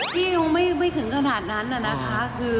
ที่ดูไม่ถึงขนาดนั้นน่ะนะคะ